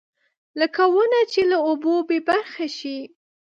لکه ونه چې له اوبو بېبرخې شي.